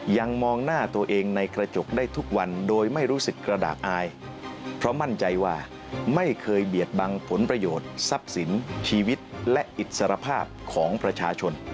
มองหน้าตัวเองในกระจกได้ทุกวันโดยไม่รู้สึกกระดาษอายเพราะมั่นใจว่าไม่เคยเบียดบังผลประโยชน์ทรัพย์สินชีวิตและอิสรภาพของประชาชน